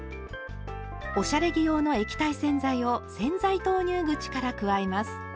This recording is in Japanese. おしゃれ着用の液体洗剤を洗剤投入口から加えます。